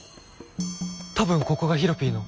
多分ここがヒロピーの。